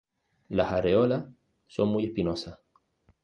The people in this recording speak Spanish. Las areolas, son muy espinosas.